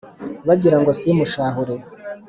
bagira ngo simushahura